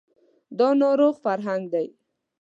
دا ناروغ فرهنګ دی